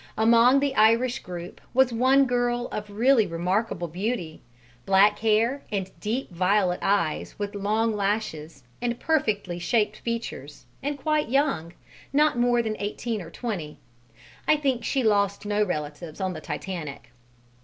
Among the Irish group was one girl of really remarkable beauty, black hair and deep violet eyes with long lashes, and perfectly shaped features, and quite young, not more than eighteen or twenty; I think she lost no relatives on the Titanic.